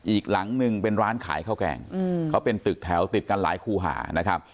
อีกหลังนึงเป็นร้านขายข้าวแกงเขาเป็นตึกแถวติดกันหลายคู่หานะครับ